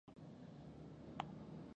دا بنسټونه د ټولنیزو بدلونونو لپاره کار کوي.